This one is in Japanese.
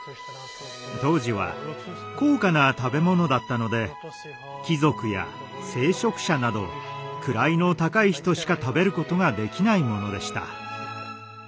当時は高価な食べ物だったので貴族や聖職者など位の高い人しか食べることができないものでした。